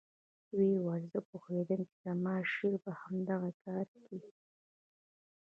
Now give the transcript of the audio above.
ويې ويل زه پوهېدم چې زما شېر به همدغه کار کيي.